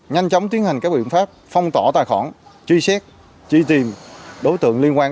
nhanh chóng tiến hành các biện pháp phong tỏ tài khoản truy xét truy tìm đối tượng liên quan